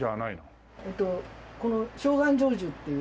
えっとこの小願成就っていう。